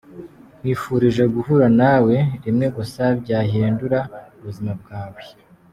Nkwifurije guhura na we rimwe gusa byahindura ubuzima bwawe.